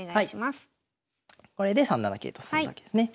これで３七桂と進むわけですね。